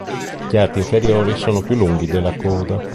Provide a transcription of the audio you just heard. Gli arti inferiori sono più lunghi della coda.